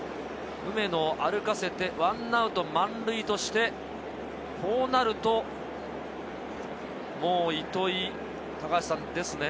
梅野を歩かせて１アウト満塁として、こうなるともう糸井ですね。